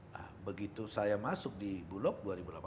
nah begitu saya masuk di bulog dua ribu delapan belas